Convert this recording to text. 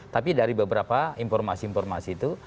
tapi dari beberapa informasi informasi itu